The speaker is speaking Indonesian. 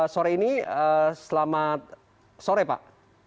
sore ini selamat sore pak